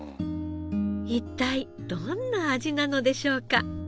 一体どんな味なのでしょうか？